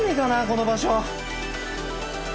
この場所。